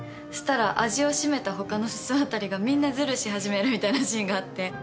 そしたら味を占めた他のススワタリがみんなズルし始めるみたいなシーンがあって。